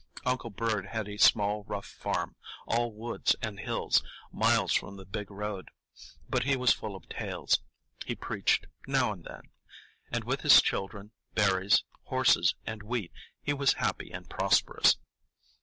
Uncle Bird had a small, rough farm, all woods and hills, miles from the big road; but he was full of tales,—he preached now and then,—and with his children, berries, horses, and wheat he was happy and prosperous.